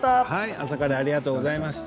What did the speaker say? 朝からありがとうございました。